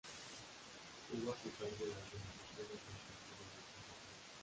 Tuvo a su cargo la organización administrativa del territorio.